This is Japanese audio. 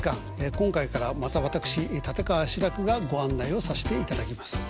今回からまた私立川志らくがご案内をさせていただきます。